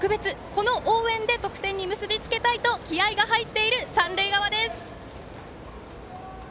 この応援で得点に結び付けたいと気合いが入っている三塁側です！